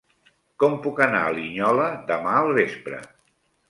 Com puc anar a Linyola demà al vespre?